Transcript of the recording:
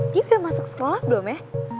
dia udah masuk sekolah belum ya